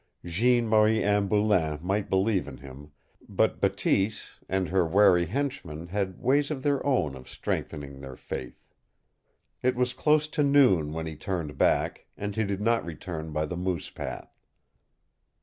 Jeanne Marie Anne Boulain might believe in him, but Bateese and her wary henchmen had ways of their own of strengthening their faith. It was close to noon when he turned back, and he did not return by the moose path.